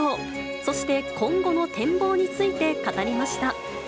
そして今後の展望について語りました。